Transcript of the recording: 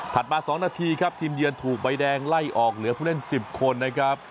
มา๒นาทีครับทีมเยือนถูกใบแดงไล่ออกเหลือผู้เล่น๑๐คนนะครับ